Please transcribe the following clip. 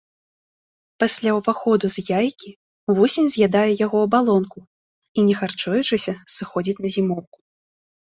Пасля ўваходу з яйкі вусень з'ядае яго абалонку, і не харчуючыся, сыходзіць на зімоўку.